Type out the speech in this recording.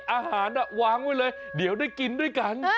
อาหารวางไว้เลยเดี๋ยวได้กินด้วยกัน